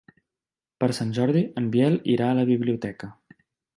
Per Sant Jordi en Biel irà a la biblioteca.